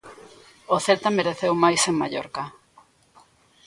O Celta mereceu máis en Mallorca.